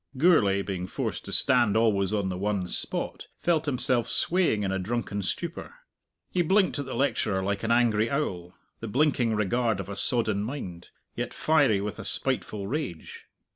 Gourlay, being forced to stand always on the one spot, felt himself swaying in a drunken stupor. He blinked at the lecturer like an angry owl the blinking regard of a sodden mind, yet fiery with a spiteful rage.